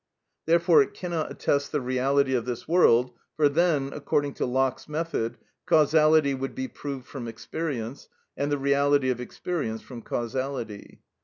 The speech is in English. Therefore it cannot attest the reality of this world, for then, according to Locke's method, causality would be proved from experience, and the reality of experience from causality.